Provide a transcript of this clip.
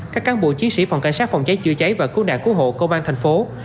các cán bộ chiến sĩ phòng cảnh sát phòng cháy chữa cháy và cú nạn cú hộ công an tp hcm